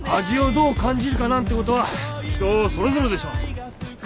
味をどう感じるかなんてことは人それぞれでしょ。